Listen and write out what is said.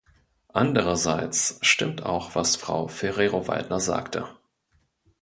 Andererseits stimmt auch, was Frau Ferrero-Waldner sagte.